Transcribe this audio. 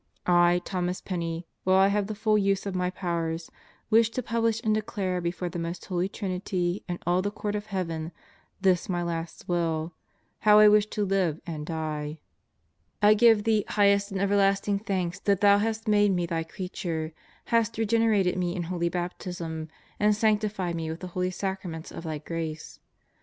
I, Thomas Penney, while I have the full use of my powers, wish to publish and declare before the Most Holy Trinity and all the Court of Heaven, this my last will: how I wish to live and die. 210 Epilogue I give Thee highest and everlasting thanks that Thou hast made me Thy creature, hast regenerated me in holy baptism, and sanctified me with the holy sacraments of Thy grace.